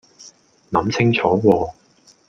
諗清楚喎